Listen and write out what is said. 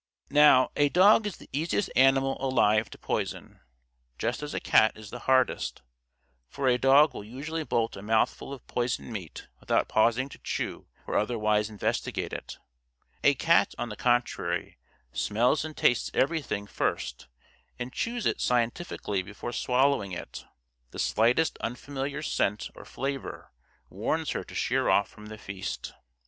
Now, a dog is the easiest animal alive to poison, just as a cat is the hardest, for a dog will usually bolt a mouthful of poisoned meat without pausing to chew or otherwise investigate it. A cat, on the contrary, smells and tastes everything first and chews it scientifically before swallowing it. The slightest unfamiliar scent or flavor warns her to sheer off from the feast.